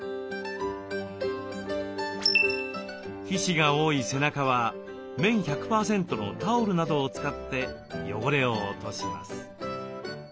皮脂が多い背中は綿１００％のタオルなどを使って汚れを落とします。